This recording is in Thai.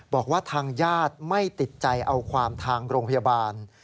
บอกว่าทางญาติไม่ติดใจเอาความทางโรงพยาบาล